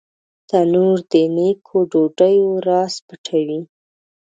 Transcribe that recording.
تنور د نیکو ډوډیو راز پټوي